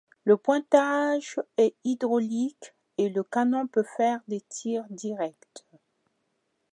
Le pointage est hydraulique et le canon peut faire des tirs directs.